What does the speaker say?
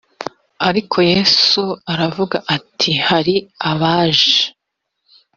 ariko yesu aravuga ati hari abaje